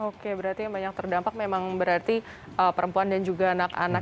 oke berarti yang banyak terdampak memang berarti perempuan dan juga anak anak